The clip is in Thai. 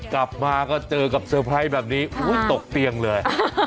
กลับมาก็เจอกับเซอร์ไพรส์แบบนี้ตกเตียงเลย